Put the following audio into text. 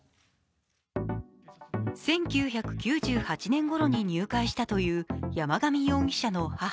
１９９８年ごろに入会したという山上容疑者の母。